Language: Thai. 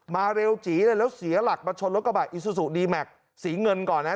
มาเร็วจีเลยแล้วเสียหลักมาชนรถกระบะอิซูซูดีแม็กซ์สีเงินก่อนนะ